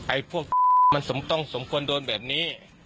ไอ้พวกมันต้องสมควรโดนแบบนี้